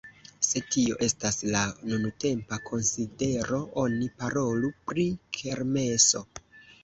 Se tio estas la nuntempa konsidero oni parolu pri kermeso.